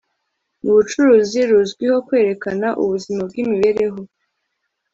mu bucuruzi ruzwiho kwerekana ubuzima bw'imibereho